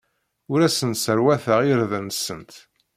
Ur asent-sserwateɣ irden-nsent.